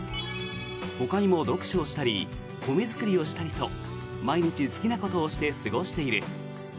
ほかにも読書をしたり米作りをしたりと毎日、好きなことをして過ごしている。